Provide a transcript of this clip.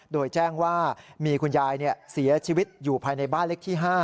โดยแจ้งว่ามีคุณยายเสียชีวิตอยู่ภายในบ้านเล็กที่๕